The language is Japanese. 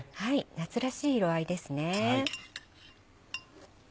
夏らしい色合いですね。